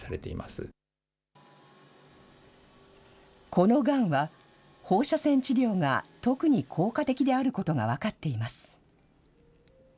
このがんは、放射線治療が特に効果的であることが分かっています。